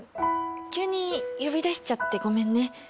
急に呼び出しちゃってごめんね。